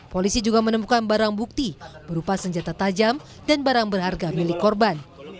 polisi juga menemukan barang bukti berupa senjata tajam dan barang berharga milik korban